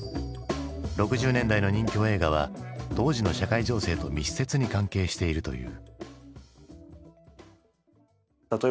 ６０年代の任侠映画は当時の社会情勢と密接に関係しているという。